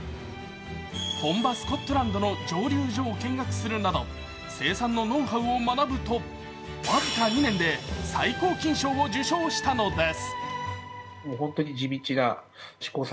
本場スコットランドの蒸留所を見学するなど生産のノウハウを学ぶと僅か２年で最高金賞を受賞したのです。